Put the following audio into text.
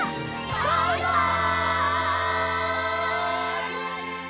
バイバイ！